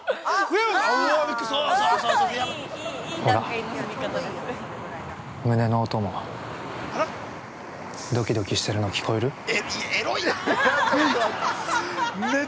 ほら、胸の音もドキドキしてるの聞こえる？